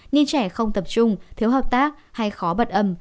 như trẻ không tập trung thiếu hợp tác hay khó bật âm